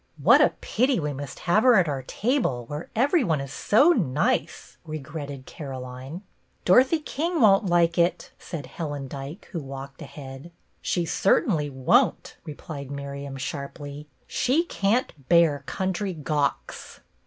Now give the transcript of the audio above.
" What a pity we must have her at our table, where every one is so nice," regretted Caroline. " Dorothy King won't like it," said Helen Dyke, who walked ahead. "She certainly won't" replied Miriam, sharply. " She can't bear country gawks."